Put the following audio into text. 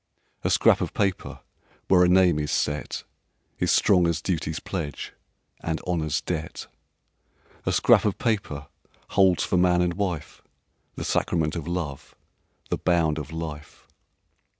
"A scrap of paper where a name is set Is strong as duty's pledge and honor's debt. "A scrap of paper holds for man and wife The sacrament of love, the bound of life.